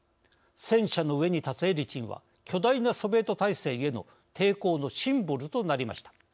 戦車の上に立つエリツィンは巨大なソビエト体制への抵抗のシンボルとなりました。